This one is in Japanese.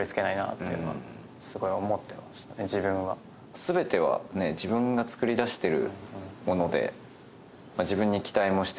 全ては自分がつくりだしてるもので。